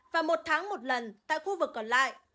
và một tháng một lần tại khu vực còn lại